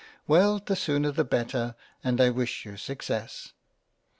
Well, the sooner the better ; and I wish you success."